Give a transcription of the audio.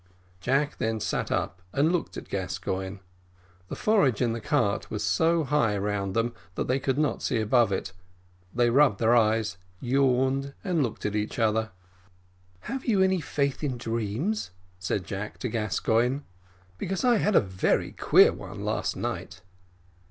Jack then sat up and looked at Gascoigne. The forage in the cart was so high round them that they could not see above it; they rubbed their eyes, yawned, and looked at each other. "Have you any faith in dreams," said Jack to Gascoigne, "because I had a very queer one last night."